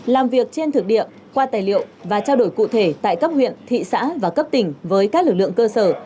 làm việc trên thực địa qua tài liệu và trao đổi cụ thể tại cấp huyện thị xã và cấp tỉnh với các lực lượng cơ sở